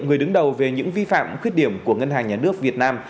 người đứng đầu về những vi phạm khuyết điểm của ngân hàng nhà nước việt nam